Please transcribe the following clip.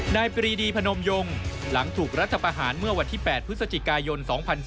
นายปรีดีพนมยงหลังถูกรัฐประหารเมื่อวันที่๘พฤศจิกายน๒๔